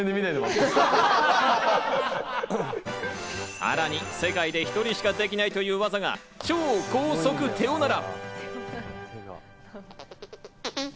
さらに世界で１人しかできないという技が超高速手おなら。